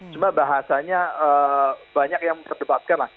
cuma bahasanya banyak yang terdebatkan lah